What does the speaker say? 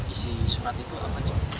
isi surat itu apa